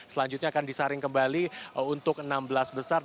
selanjutnya akan disaring kembali untuk enam belas besar